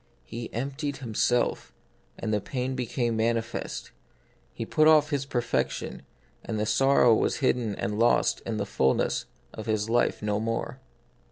He emptied Himself, and the pain be came manifest ; He put off His perfection, and the sorrow was hidden and lost in the fulness of His life no more.